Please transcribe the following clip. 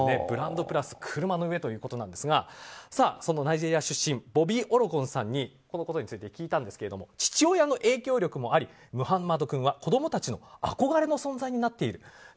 ブランド、プラス車の上ということですがナイジェリア出身ボビー・オロゴンさんにこのことについて聞いたんですけど父親の影響もありムハンマド君は子供たちの憧れの存在になっている。